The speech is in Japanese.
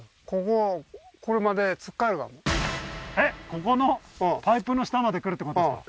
ここのパイプの下まで来るってことですか？